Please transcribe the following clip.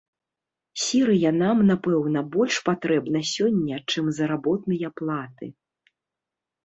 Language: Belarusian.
Сірыя нам, напэўна, больш патрэбна сёння, чым заработныя платы.